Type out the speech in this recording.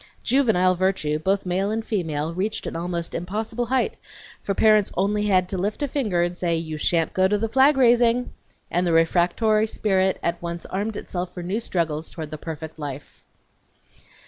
Juvenile virtue, both male and female, reached an almost impossible height, for parents had only to lift a finger and say, "you shan't go to the flag raising!" and the refractory spirit at once armed itself for new struggles toward the perfect life.